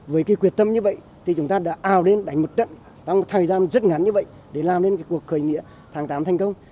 với cái quyệt tâm như vậy thì chúng ta đã ào lên đánh một trận trong thời gian rất ngắn như vậy để làm nên cái cuộc khởi nghĩa tháng tám thành công